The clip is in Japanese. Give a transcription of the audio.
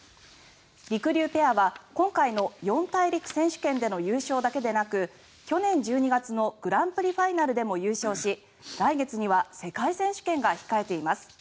りくりゅうペアは今回の四大陸選手権での優勝だけでなく去年１２月のグランプリファイナルでも優勝し来月には世界選手権が控えています。